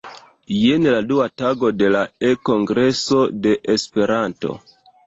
Jen la dua tago de la E-kongreso de Esperanto.